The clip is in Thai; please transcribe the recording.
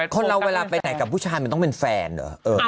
คนเราเวลาไปไหนกับผู้ชายมันต้องเป็นแฟนเหรอ